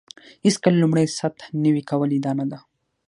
هېڅکله لومړۍ سطح نوي کول ادعا نه ده.